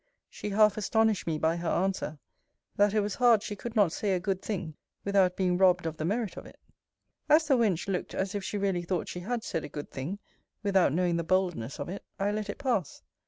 She half astonished me by her answer: That it was hard she could not say a good thing, without being robbed of the merit of it. As the wench looked as if she really thought she had said a good thing, without knowing the boldness of it, I let it pass.